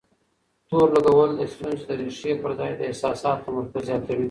تور لګول د ستونزې د ريښې پر ځای د احساساتو تمرکز زياتوي.